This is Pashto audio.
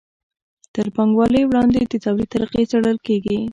تر پانګوالۍ وړاندې د توليد طریقې څیړل کیږي.